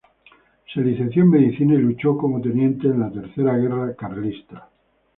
Se licenció en medicina y luchó como teniente en la Tercera Guerra Carlista.